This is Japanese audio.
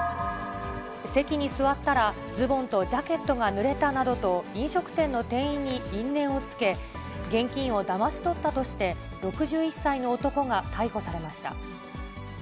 席に座ったら、ズボンとジャケットがぬれたなどと飲食店の店員に因縁をつけ、現金をだまし取ったとして、６１歳の男が逮捕されました。